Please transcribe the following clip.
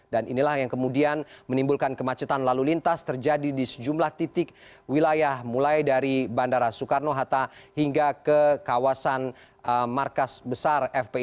dan inilah yang kemudian menimbulkan kemacetan lalu lintas terjadi di sejumlah titik wilayah mulai dari bandara soekarno hatta hingga ke kawasan markas besar fpi